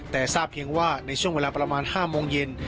แต่ทราบเพียงว่าในช่วงเวลาประมาณ๕โมงเย็น